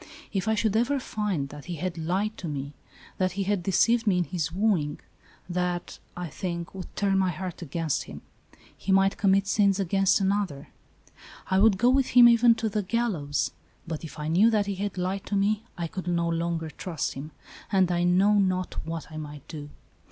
If I should ever find that he had lied to me that he had deceived me in his wooing — that, I think, would turn my heart against him. He might commit sins against another ; I would go ALICE ; OR, THE WAGES OF SIN. 21 with him even to the gallows ; but if I knew that he had lied to me, I could no longer trust him,, and I know not what I might do.